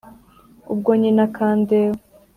Ubwo nyina akandeba